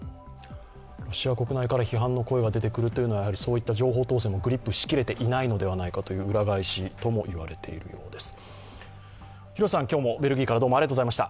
ロシア国内から批判の声が出てくるというのは情報統制がグリップしきれていないのではないかという裏返しとも言われているようです。